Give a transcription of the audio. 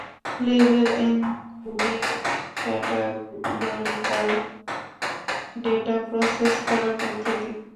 Label encoding categorical data process করার একটি পদ্ধতি।